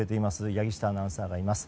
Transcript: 柳下アナウンサーがいます。